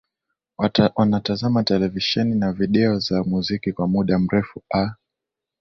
Wanatazama televisheni na video za muziki kwa muda mrefu a